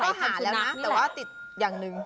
วันนี้ฉันก็หาแล้วนะแต่ติดอย่างนึง